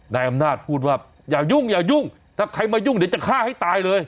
นายอำนาจพูดว่าอย่ายุ่งอย่ายุ่งถ้าใครมายุ่งเดี๋ยวจะฆ่าให้ตายเลย